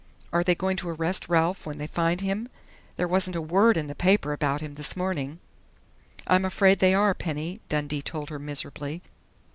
Are they going to arrest Ralph when they find him? There wasn't a word in the paper about him this morning " "I'm afraid they are, Penny," Dundee told her miserably.